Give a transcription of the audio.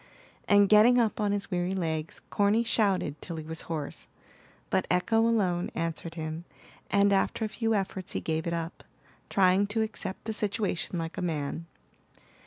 And getting up on his weary legs, Corny shouted till he was hoarse; but echo alone answered him, and after a few efforts he gave it up, trying to accept the situation like a man.